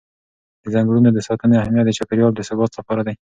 د ځنګلونو د ساتنې اهمیت د چاپېر یال د ثبات لپاره دی.